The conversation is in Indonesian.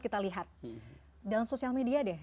kita lihat dalam sosial media deh